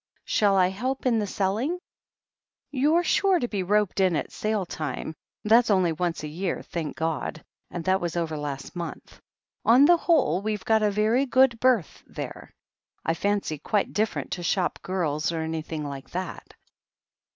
'Shall I help in the selling?" 'You're sure to be roped in at sale time. That's only once a year, thank God, and that was over last month. On the whole, we've got a very good berth there ; I fancy quite different to shop girls, or anything like that.